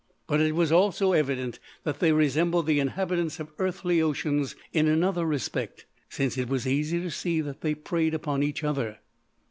But it was also evident that they resembled the inhabitants of earthly oceans in another respect, since it was easy to see that they preyed upon each other.